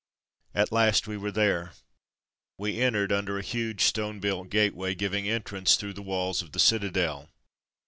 At last we were there. We entered under a huge stone built gateway, giving entrance through the walls of the citadel.